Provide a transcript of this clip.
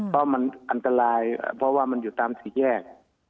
เพราะมันอันตรายเพราะว่ามันอยู่ตามสี่แยก